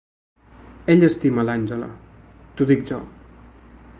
Ell estima l"Angela, t"ho dic jo.